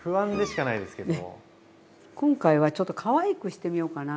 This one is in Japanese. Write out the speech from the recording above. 今回はちょっとかわいくしてみようかなと思って。